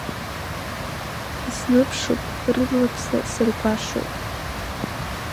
Исныԥшуп, рыдлаԥса сыргәашоуп.